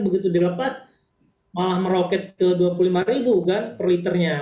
begitu dilepas malah meroket ke rp dua puluh lima per liternya